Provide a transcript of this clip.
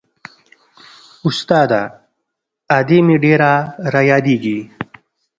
استاده ادې مې ډېره رايادېږي.